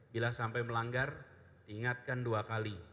bila sampai melanggar diingatkan dua kali